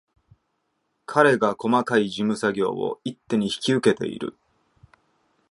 彼が細かい事務作業を一手に引き受けている